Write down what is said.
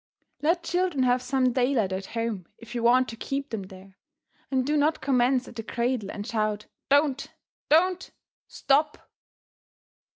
Let children have some daylight at home if you want to keep them there, and do not commence at the cradle and shout "Don't!" "Don't!" "Stop!"